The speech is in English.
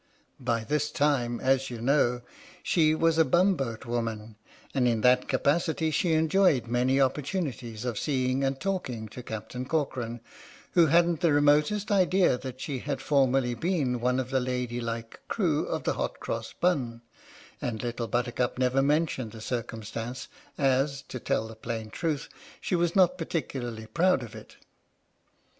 By this time, as you know, she was a bum boat woman, and in that capacity she enjoyed many opportunities of seeing and talking to Captain Corcoran, who hadn't the re motest idea that she had formerly been one of the lady like crew of the Hot Cross Bun, and Little Buttercup never mentioned the circumstance, as, to tell the plain truth, she was not particularly proud of it.